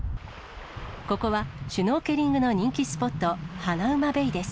ここはシュノーケリングの人気スポット、ハナウマベイです。